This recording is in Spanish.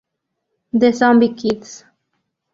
The Zombie Kids.